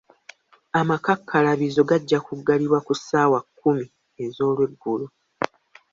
Amakakkalabizo gajja kugalibwa ku ssaawa kumi ez'olweggulo.